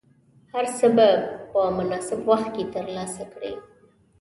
هر څه به په مناسب وخت کې ترلاسه کړې.